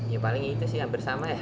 ya paling itu sih hampir sama ya